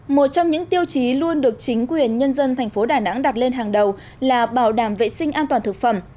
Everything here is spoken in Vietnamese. một trong những tiêu chí luôn được chính quyền nhân dân thành phố đà nẵng đặt lên hàng đầu là bảo đảm vệ sinh an toàn thực phẩm